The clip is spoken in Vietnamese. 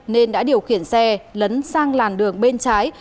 nên đã điều khiển xe lấn sang làn đường bên trái